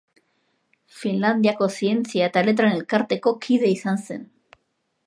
Finlandiako Zientzia eta Letren Elkarteko kide izan zen.